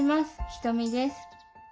ひとみです。